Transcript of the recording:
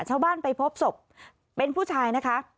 ชาวบ้านไปพบศพเป็นผู้ชายนะคะ